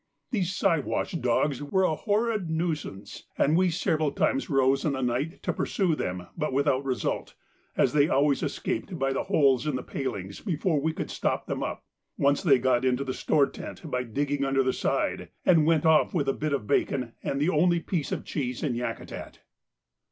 These Siwash dogs were a horrid nuisance, and we several times rose in the night to pursue them, but without result, as they always escaped by the holes in the palings before we could stop them up. Once they got into the store tent by digging under the side, and went off with a bit of bacon and the only piece of cheese in Yakutat.